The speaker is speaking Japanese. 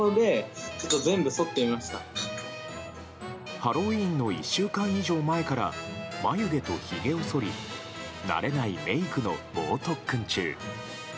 ハロウィーン１週間以上前から眉毛と、ひげをそり慣れないメイクの猛特訓中。